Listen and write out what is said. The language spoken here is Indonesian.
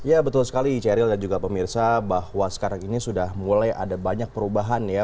ya betul sekali ceril dan juga pemirsa bahwa sekarang ini sudah mulai ada banyak perubahan ya